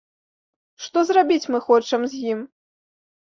Што зрабіць мы хочам з ім.